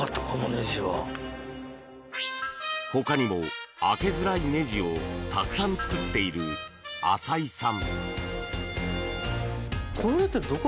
他にも、開けづらいねじをたくさん作っている浅井さん。